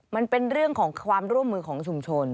มันเป็นเรื่องของความร่วมมือของชุมชน